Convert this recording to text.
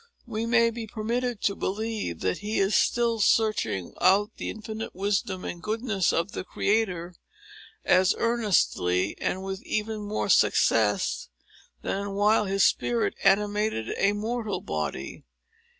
We may be permitted to believe that he is still searching out the infinite wisdom and goodness of the Creator, as earnestly, and with even more success, than while his spirit animated a mortal body.